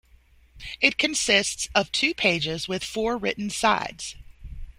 It consists of two pages with four written sides.